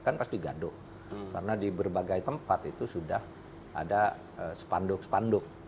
kan pasti gaduh karena di berbagai tempat itu sudah ada spanduk spanduk